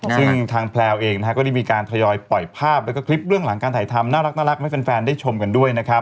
ซึ่งทางแพลวเองก็ได้มีการทยอยปล่อยภาพแล้วก็คลิปเรื่องหลังการถ่ายทำน่ารักให้แฟนได้ชมกันด้วยนะครับ